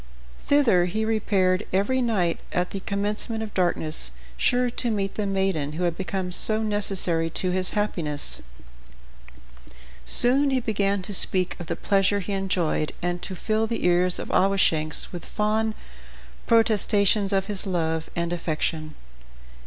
Thither he repaired every night at the commencement of darkness, sure to meet the maiden who had become so necessary to his happiness. Soon he began to speak of the pleasure he enjoyed, and to fill the ears of Awashanks with fond protestations of his love and affection.